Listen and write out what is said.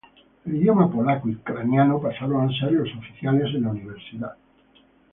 El idioma polaco y ucraniano pasaron a ser los oficiales en la universidad.